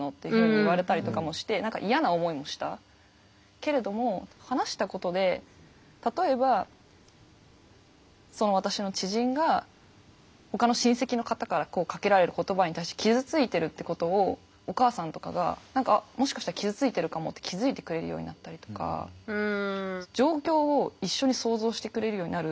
けれども話したことで例えばその私の知人がほかの親戚の方からかけられる言葉に対して傷ついてるってことをお母さんとかが何かあっもしかしたら傷ついてるかもって気付いてくれるようになったりとか増える。